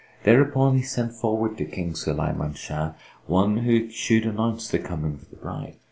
Thereupon he sent forward to King Sulayman Shah one who should announce the coming of the bride.